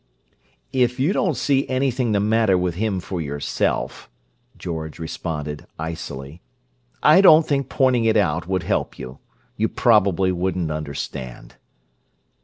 "If you don't see anything the matter with him for yourself," George responded, icily, "I don't think pointing it out would help you. You probably wouldn't understand."